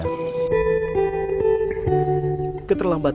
keterlambatan perkebunan perkebunan kelapa sawit